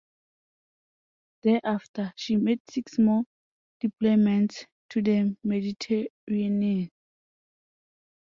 Thereafter, she made six more deployments to the Mediterranean.